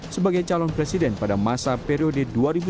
sebagai calon presiden pada masa periode dua ribu sembilan belas dua ribu dua